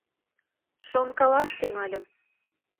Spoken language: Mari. Шонкалаш тӱҥальым.